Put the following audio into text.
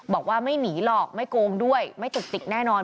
บอกว่าไม่หนีหรอกไม่โกงด้วยไม่ตุกติกแน่นอน